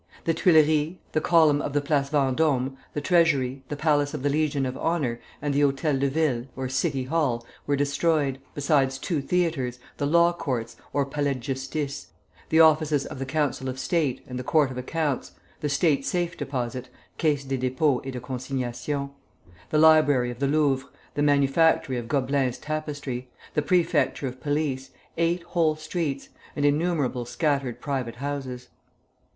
The Tuileries, the Column of the Place Vendôme, the Treasury, the Palace of the Legion of Honor, and the Hôtel de Ville, or City Hall, were destroyed, besides two theatres, the Law Courts, or Palais de Justice, the offices of the Council of State and the Court of Accounts, the State Safe Deposit (Caisse des Dépôts et de Consignations), the Library of the Louvre, the manufactory of Gobelin's tapestry, the Prefecture of Police, eight whole streets, and innumerable scattered private houses.